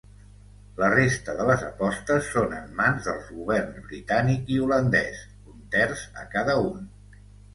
La resta de les apostes són en mans dels governs britànic i holandès, un terç a cada un.